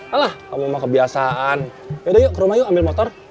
halah kamu mau kebiasaan yaudah yuk ke rumah yuk ambil motor